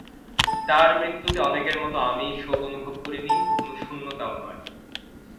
তাঁর মৃত্যুতে অনেকের মতো আমি শোক অনুভব করিনি, কোনো শূন্যতাও নয়।